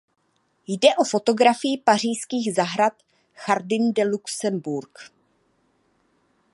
Jde o fotografii pařížských zahrad Jardin du Luxembourg.